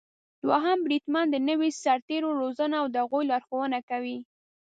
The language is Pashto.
دوهم بریدمن د نويو سرتېرو روزنه او د هغوی لارښونه کوي.